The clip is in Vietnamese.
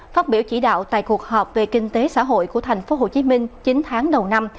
phát biểu chỉ đạo tại cuộc họp về kinh tế xã hội của tp hcm chín tháng đầu năm